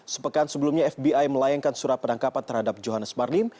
sepekan sebelumnya fbi melayangkan surat penangkapan terhadap johannes marlim